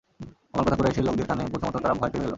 আমার কথা কুরাইশের লোকদের কানে পৌঁছামাত্র তারা ভয় পেয়ে গেল।